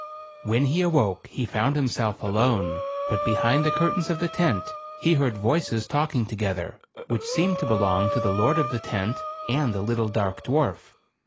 When he awoke, he found himself alone ; but behind the curtains of the tent, he heard voices talking together, which seemed to belong to the lord of the tent, and the little dark dwarf.